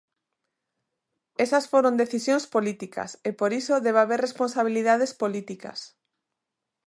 Esas foron decisións políticas, e por iso debe haber responsabilidades políticas.